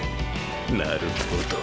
なるほど。